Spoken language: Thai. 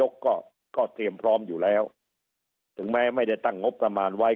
ก็ก็เตรียมพร้อมอยู่แล้วถึงแม้ไม่ได้ตั้งงบประมาณไว้